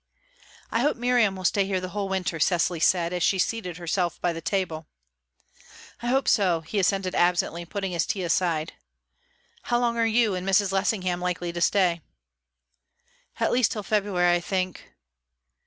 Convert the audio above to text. "I hope Miriam will stay here the whole winter," Cecily said, as she seated herself by the table. "I hope so," he assented absently, putting his tea aside. "How long are you and Mrs. Lessingham likely to stay?" "At least till February, I think."